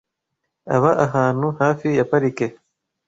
Aba ahantu hafi ya parike.